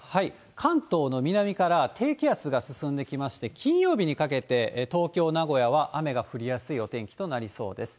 関東の南から低気圧が進んできまして、金曜日にかけて東京、名古屋は雨が降りやすいお天気となりそうです。